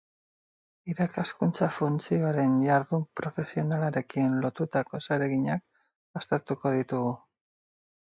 Irakaskuntza funtzioaren jardun profesionalarekin lotutako zereginak aztertuko ditugu.